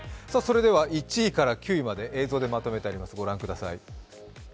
それでは１位から９位まで映像でまとめてあります。